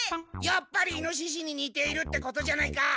やっぱりイノシシににているってことじゃないか！